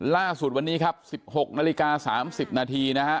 ล่าสุดวันนี้ครับ๑๖นาฬิกา๓๐นาทีนะฮะ